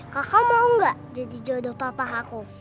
kakak mau gak jadi jodoh papa aku